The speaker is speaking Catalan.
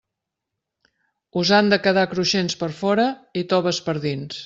Us han de quedar cruixents per fora i toves per dins.